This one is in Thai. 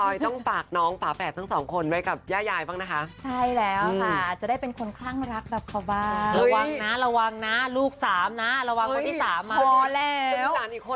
อย่างนี้มีข้าวโครงการฝากลูกไว้กับยายแล้วนี่